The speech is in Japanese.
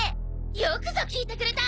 よくぞ聞いてくれた！